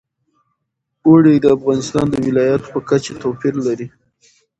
اوړي د افغانستان د ولایاتو په کچه توپیر لري.